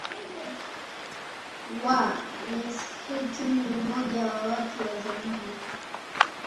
wa Meskhetian ni mmoja wa watu wa zamani